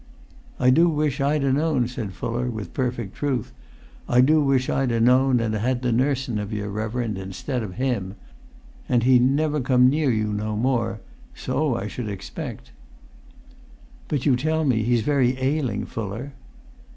"I do wish I'd ha' known," said Fuller, with perfect truth; "I do wish I'd ha' known an' had the nursun of yer, reverend, instead o' him. And he never come near you no more; so I should expect." "But you tell me he's very ailing, Fuller."